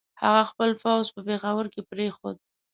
هغه خپل پوځ په پېښور کې پرېښود.